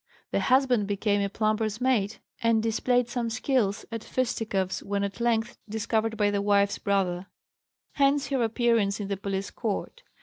The "husband" became a plumber's mate, and displayed some skill at fisticuffs when at length discovered by the "wife's" brother. Hence her appearance in the Police Court.